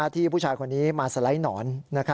ที่ผู้ชายคนนี้มาสไลด์หนอน